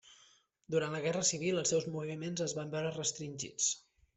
Durant la Guerra Civil els seus moviments es van veure restringits.